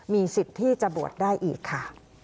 มีสิทธิ์ที่จะบวชได้อีกค่ะ